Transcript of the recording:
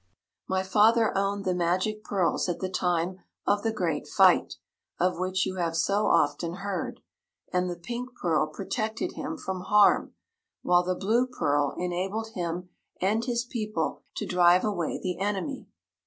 My father owned the magic pearls at the time of the Great Fight, of which you have so often heard, and the pink pearl protected him from harm, while the blue pearl enabled him and his people to drive away the enemy.